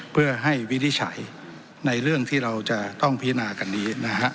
เพื่อให้วิธิฉัยในเรื่องที่เราจะต้องพินากันนี้